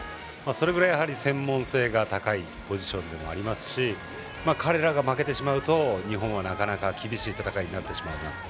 それぐらい、専門性が高いポジションでもありますし彼らが負けてしまうと日本はなかなか厳しい戦いになってしまうなと。